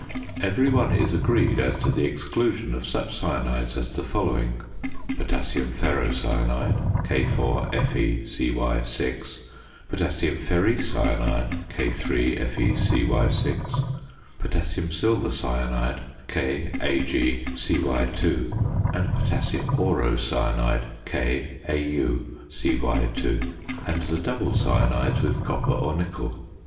Every one is agreed as to the exclusion of such cyanides as the following: potassium ferrocyanide (K_FeCy_), potassium ferricyanide (K_FeCy_), potassium silver cyanide (KAgCy_), and potassium aurocyanide (KAuCy_); and the double cyanides with copper or nickel.